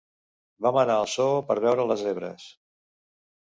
Vam anar al zoo per veure les zebres.